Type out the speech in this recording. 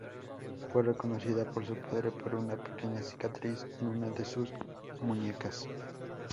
Fue reconocida por su padre por una pequeña cicatriz en una de sus muñecas.